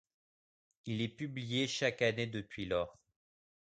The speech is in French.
Il est publié chaque année depuis lors.